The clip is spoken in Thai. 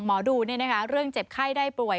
หมอดูเนี่ยนะคะเรื่องเจ็บไข้ได้ป่วย